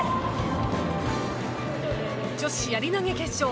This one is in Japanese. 女子やり投げ決勝